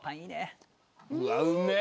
うわっうめえ！